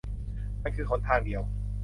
มันคือหนทางเดียว